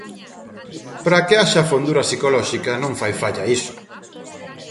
Para que haxa fondura psicolóxica non fai falla iso.